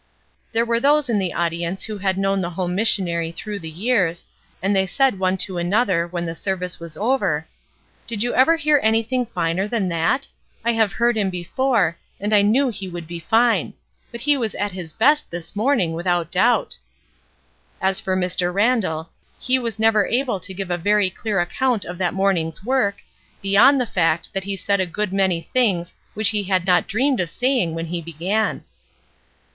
There were those in the audience who had known the home missionary through the years, and they said one to another, when the service was over :" Did you ever hear anything finer than that? I have heard him before, and I knew he would be fine; but he was at his best this morning, without doubt." As for Mr. Randall, he was never able to give a very clear account of that morning's work, beyond the fact that he said a good many things which he had not dreamed of saying when he began.